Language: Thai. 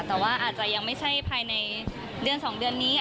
แต่ว่าอาจจะยังไม่ใช่ภายในเดือน๒เดือนนี้